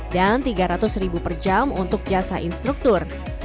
dan tiga ratus ribu per jam untuk jasa instruktur